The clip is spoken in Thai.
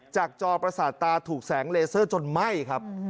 จอประสาทตาถูกแสงเลเซอร์จนไหม้ครับ